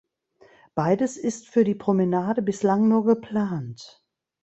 Beides ist für die Promenade bislang nur geplant.